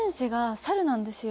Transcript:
なんですよ。